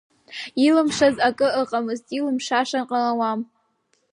Иылымшаз акы ыҟамызт, илымшаша ҟалауам.